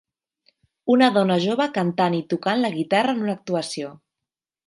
Una dona jove cantant i tocant la guitarra en una actuació.